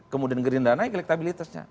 kemudian gerindra naik elektabilitasnya